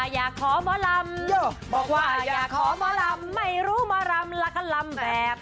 อยากขอหมอรำบอกว่าอยากขอหมอรำไม่รู้หมอรำลักษรรรมแบบ